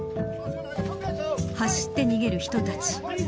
走って逃げる人たち。